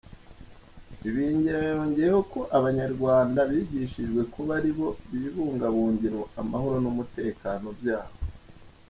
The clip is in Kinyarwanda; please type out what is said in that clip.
Ibingira yongeyeho ko abanyarwanda bigishijwe kuba aribo bibungabungira amahoro n’umutekano byabo.